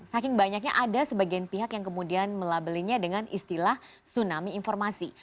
saking banyaknya ada sebagian pihak yang kemudian melabelinya dengan istilah tsunami informasi